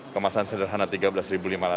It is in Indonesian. kemasan sederhana rp tiga belas lima ratus